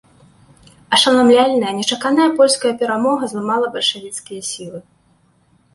Ашаламляльная, нечаканая польская перамога зламала бальшавіцкія сілы.